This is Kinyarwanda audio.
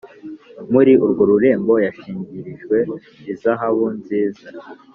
muri urwo rurembo yashigirijwe izahabu nziza